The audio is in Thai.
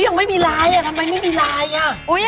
ยังไม่มีลายทำไมไม่มีลาย